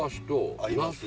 合います？